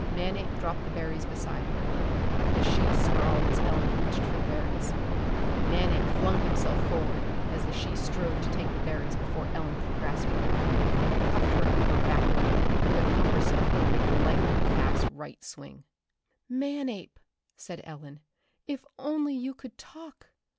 Manape dropped the berries beside her. The she snarled as Ellen reached for the berries. Manape flung himself forward as the she strove to take the berries before Ellen could grasp them and cuffed her over backward with a cumbersome but lightning fast right swing. "Manape," said Ellen, "if only you could talk!